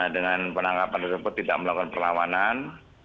dengan penangkapan tersebut tidak melakukan perlawanan